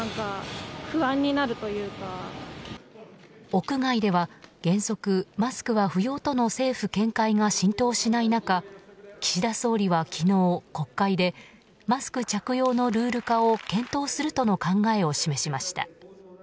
屋外では原則マスクは不要との政府見解が浸透しない中岸田総理は昨日、国会でマスク着用のルール化を検討するとの考えを示しました。